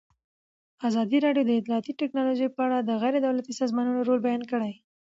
ازادي راډیو د اطلاعاتی تکنالوژي په اړه د غیر دولتي سازمانونو رول بیان کړی.